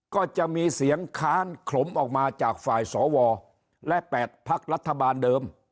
ก็จะมีเสียงค้านขลมออกมาจากฝ่ายสวและ๘พักรัฐบาลเดิม